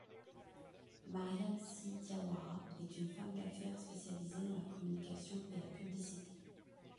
Mariam Sy Diawara est une femme d'affaires spécialisée dans la communication et la publicité.